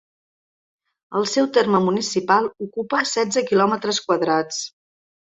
El seu terme municipal ocupa setze kilòmetres quadrats.